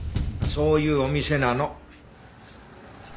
そういうお店なの。